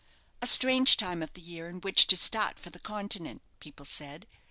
A strange time of the year in which to start for the Continent, people said.